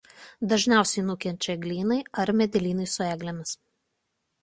Dažniausiai nukenčia eglynai ar medynai su eglėmis.